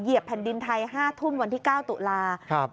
แผ่นดินไทย๕ทุ่มวันที่๙ตุลาคม